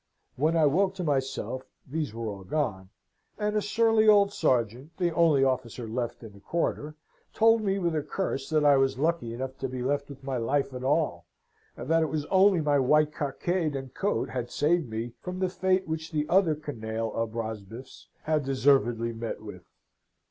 When I woke to myself these were all gone; and a surly old sergeant, the only officer left in the quarter, told me, with a curse, that I was lucky enough to be left with my life at all; that it was only my white cockade and coat had saved me from the fate which the other canaille of Rosbifs had deservedly met with.